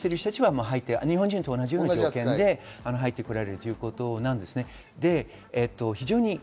日本人と同じ扱いで入ってこられるということですね。